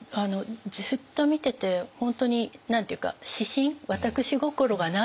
ずっと見てて本当に何て言うか私心私心がないですよね。